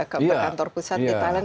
ke kantor pusat di thailand